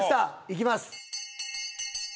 いきます！